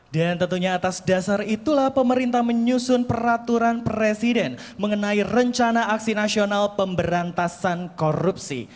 dan tentunya atas dasar itulah pemerintah menyusun peraturan presiden mengenai rencana aksi nasional pemberantasan korupsi